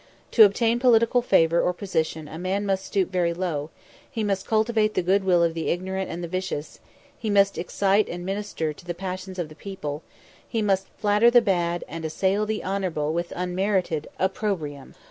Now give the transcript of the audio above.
To obtain political favour or position a man must stoop very low; he must cultivate the good will of the ignorant and the vicious; he must excite and minister to the passions of the people; he must flatter the bad, and assail the honourable with unmerited opprobrium.